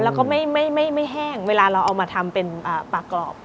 แล้วก็ไม่แห้งเวลาเราเอามาทำเป็นปากกรอบ